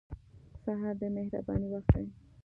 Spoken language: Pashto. سهار د مهربانۍ وخت دی.